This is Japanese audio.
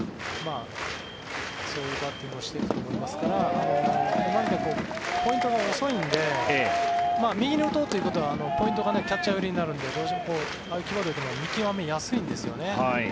そういうバッティングをしていくと思いますから今みたいにポイントが遅いんで右に打とうということはポイントがキャッチャー寄りになるので同時に、ああいう際どいコースは見極めやすいんですよね。